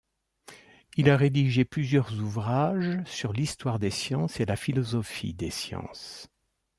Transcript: Il a rédigé plusieurs ouvrages sur l'histoire des sciences et la philosophie des sciences.